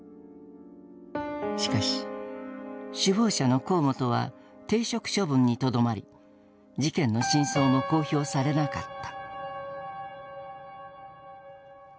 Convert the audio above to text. しかし首謀者の河本は停職処分にとどまり事件の真相も公表されなかった。